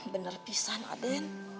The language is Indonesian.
bener pisahnya den